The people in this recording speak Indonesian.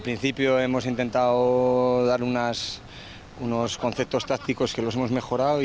dari awal kita telah mencoba berikan konsep taktik yang telah kita memperbaiki